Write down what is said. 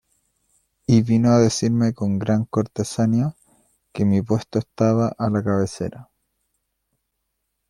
y vino a decirme con gran cortesanía que mi puesto estaba a la cabecera.